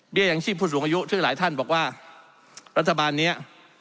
เบียงชื่อผู้สูงอายุที่หลายท่านบอกว่ารัฐบาลเนี้ย